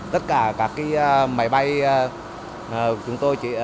tất cả các máy bay của chúng tôi